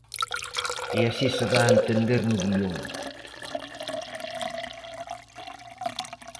E así se dá a entender no guión.